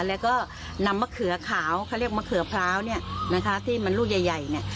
แล้วก็นำมะเขือขาวเขาเรียกมะเขือพร้าวที่มันลูกใหญ่